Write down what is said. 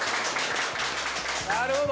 なるほど！